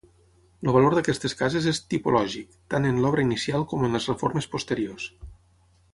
El valor d'aquestes cases és tipològic, tant en l'obra inicial com en les reformes posteriors.